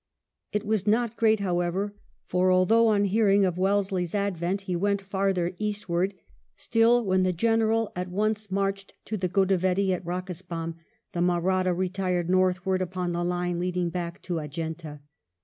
It was not great, however, for although on hearing of Wellesley's advent he went farther eastward, still, when the General at once Ill COMING TO CLOSE QUARTERS 73 marched to the Godavery at Eakisbaum, the Mahratta retired northward upon the line leading back to Ad junta.